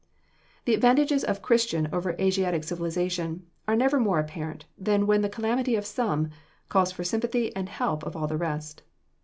The advantages of Christian over Asiatic civilization are never more apparent than when the calamity of some calls for sympathy and help of all the rest.